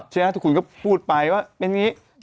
ใช่นะคุณก็พูดไปว่าเป็นอย่างนี้